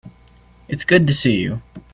It's good to see you.